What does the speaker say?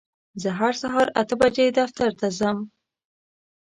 زه هر سهار اته بجې دفتر ته ځم.